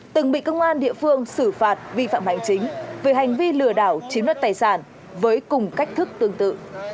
từng bị công an địa phương xử phạt vi phạm hành chính về hành vi lừa đảo chiếm đất tài sản với cùng cách thức tương tự